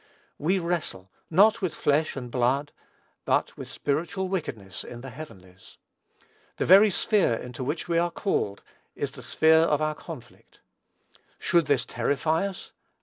"We wrestle, not with flesh and blood, ... but with spiritual wickedness in the heavenlies." The very sphere into which we are called is the sphere of our conflict. Should this terrify us?